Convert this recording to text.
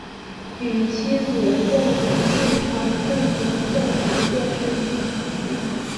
与妻子郑景顺常共同撰写电视剧剧本。